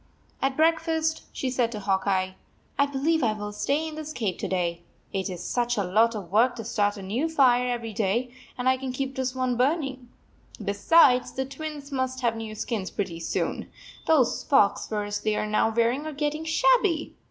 At breakfast, she said to Hawk Eye, "I believe I will stay in the cave to day, it is such a lot of work to start a new fire every day, and I can keep this one burning. Be sides, the Twins must have new skins pretty soon. Those fox furs they are now wearing are getting shabby.